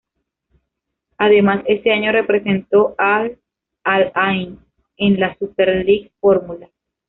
Además ese año representó al Al-Ain en la Superleague Formula.